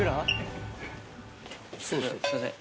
すいません。